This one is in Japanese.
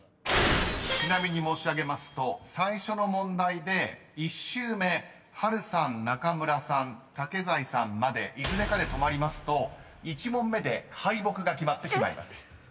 ［ちなみに申し上げますと最初の問題で１周目波瑠さん中村さん竹財さんまでいずれかで止まりますと１問目で敗北が決まってしまいます］